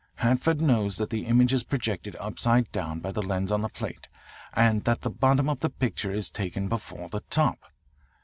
"Hanford knows that the image is projected upside down by the lens on the plate, and that the bottom of the picture is taken before the top.